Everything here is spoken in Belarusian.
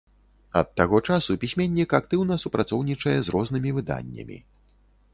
Ад таго часу пісьменнік актыўна супрацоўнічае з рознымі выданнямі.